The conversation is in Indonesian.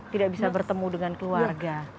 tidak bisa bertemu dengan keluarga